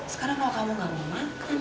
sekarang kalau kamu gak mau makan